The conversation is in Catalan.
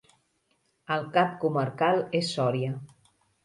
El cap comarcal és Sòria.